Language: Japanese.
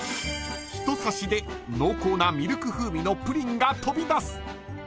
［一刺しで濃厚なミルク風味のプリンが飛び出す］